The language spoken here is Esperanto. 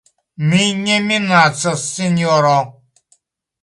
Mi ne minacas, sinjoro.